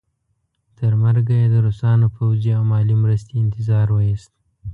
تر مرګه یې د روسانو پوځي او مالي مرستې انتظار وایست.